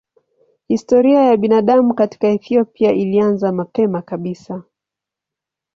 Historia ya binadamu katika Ethiopia ilianza mapema kabisa.